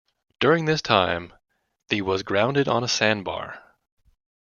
During this time, the was grounded on a sandbar.